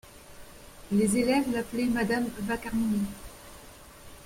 Les élèves l’appelaient madame Vacarmini.